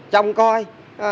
trong công tác